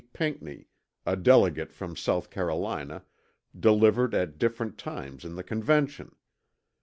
Pinckney, a Delegate from S. Carolina, delivered at different times in the Convention.